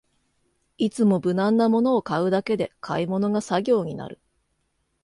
いつも無難なものを買うだけで買い物が作業になる